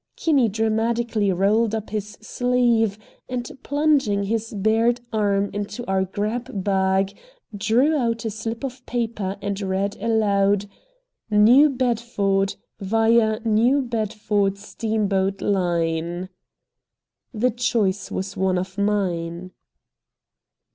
Kinney dramatically rolled up his sleeve, and, plunging his bared arm into our grab bag, drew out a slip of paper and read aloud: "New Bedford, via New Bedford Steamboat Line." The choice was one of mine.